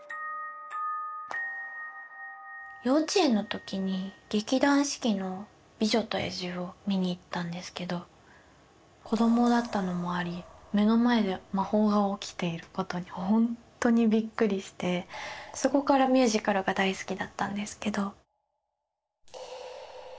幼稚園の時に劇団四季の「美女と野獣」を見に行ったんですけど子供だったのもあり目の前で魔法が起きていることにほんとにびっくりしてそこからミュージカルが大好きだったんですけど。